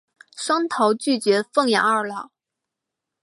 双桃拒绝奉养二老。